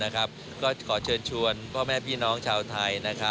ก็ขอเชิญชวนพ่อแม่พี่น้องชาวไทย